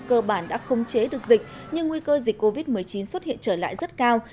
cơ bản đã không chế được dịch nhưng nguy cơ dịch covid một mươi chín xuất hiện trở lại rất cao